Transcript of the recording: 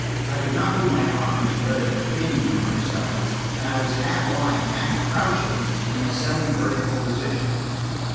I could not move my arms, where they were pinioned to my sides, and I was half lying, half crouching, in a semi vertical position.